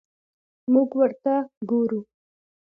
موږ ورته ګورو.